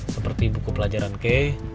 seperti buku pelajaran kay